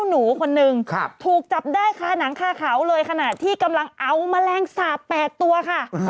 หนังคาเขาเลยขนาดที่กำลังเอามะแรงสาบ๘ตัวค่ะ